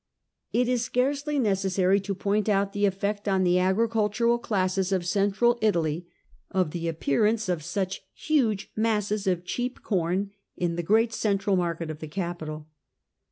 It is scarcely necessary to point out the effect on the agricultural classes of Central Italy of the appearance of such huge masses of cheap corn in the great central market of the capital.